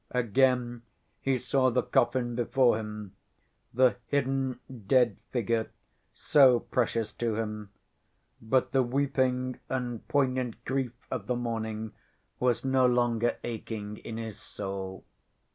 Again he saw that coffin before him, the hidden dead figure so precious to him, but the weeping and poignant grief of the morning was no longer aching in his soul.